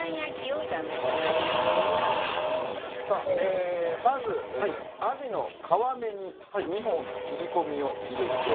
さあまずアジの皮目に２本切り込みを入れて。